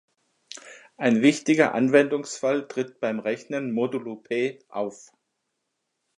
Ein wichtiger Anwendungsfall tritt beim Rechnen modulo "p" auf.